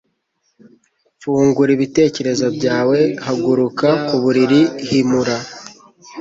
Fungura ibitekerezo byawe. Haguruka ku buriri. Himura.